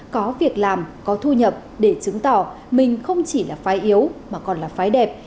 có việc làm có thu nhập để chứng tỏ mình không chỉ là phái yếu mà còn là phái đẹp